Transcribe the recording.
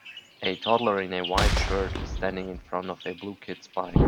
A toddler in a white shirt is standing in front of a blue kid 's bike.